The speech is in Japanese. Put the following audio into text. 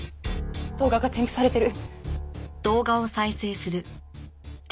動画が添付されてる。